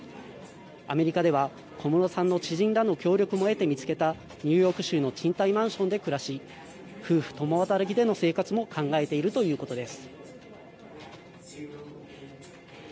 アメリカでは小室さんの知人らの協力も得て見つけたニューヨーク州の賃貸マンションで暮らし夫婦共働きでの生活も考えているということです。